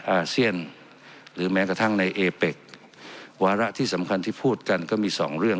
อาเซียนหรือแม้กระทั่งในเอเป็กวาระที่สำคัญที่พูดกันก็มีสองเรื่อง